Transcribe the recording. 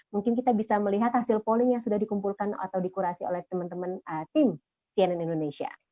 mungkin kita bisa melihat hasil polling yang sudah dikumpulkan atau dikurasi oleh teman teman tim cnn indonesia